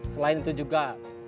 selain itu juga